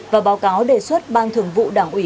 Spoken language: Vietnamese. và báo cáo đề xuất ban thường vụ đảng ủy